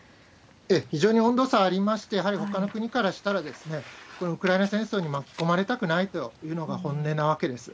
非常に温度差ありまして、やはりほかの国からしたら、このウクライナ戦争に巻き込まれたくないというのが本音なわけです。